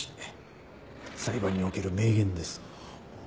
裁判における名言です。